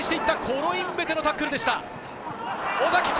コロインベテのタックルでした。